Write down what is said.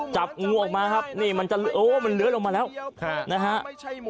จับงูออกมาครับนี่มันจะโอ้มันเลื้อยลงมาแล้วนะฮะ